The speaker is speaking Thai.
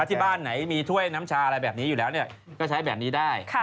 ที่บ้านไหนมีถ้วยน้ำชาอะไรแบบนี้อยู่แล้วก็ใช้แบบนี้ได้